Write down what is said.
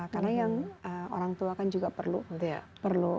karena yang orang tua kan juga perlu